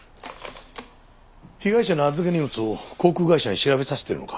被害者の預け荷物を航空会社に調べさせてるのか？